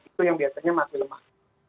itu yang biasanya masih lemah